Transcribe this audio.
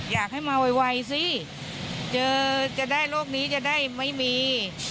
อยากให้มาไวสิเจอจะได้โรคนี้จะได้ไม่มี